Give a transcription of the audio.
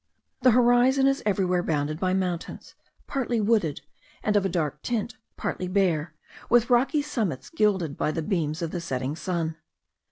The horizon is everywhere bounded by mountains, partly wooded and of a dark tint, partly bare, with rocky summits gilded by the beams of the setting sun.